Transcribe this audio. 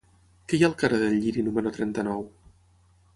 Què hi ha al carrer del Lliri número trenta-nou?